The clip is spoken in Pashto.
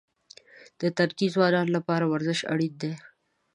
د تنکي ځوانانو لپاره ورزش اړین دی.